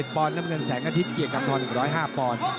๑๐๗ปอนด์น้ำเงินแสงอาทิตย์เกียรติกลับท้อน๑๐๕ปอนด์